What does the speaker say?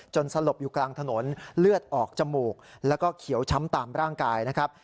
สลบอยู่กลางถนนเลือดออกจมูกแล้วก็เขียวช้ำตามร่างกายนะครับ